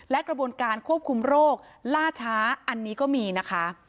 และกระบวนการควบคุมโรคล่าช้าอันนี้ก็มีนะคะ